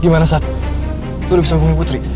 gimana sat lu bisa menghubungi putri